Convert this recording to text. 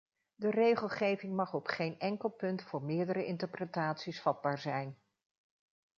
De regelgeving mag op geen enkel punt voor meerdere interpretaties vatbaar zijn.